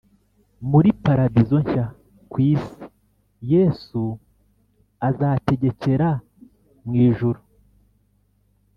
muri paradizo nshya ku isi Yesu azategekera mu ijuru